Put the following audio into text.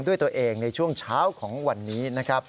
ด้วยตัวเองช่วงเช้าของวันนี้